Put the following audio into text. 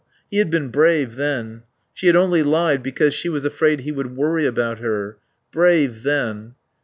He had been brave then. She had only lied because she was afraid he would worry about her.... Brave then.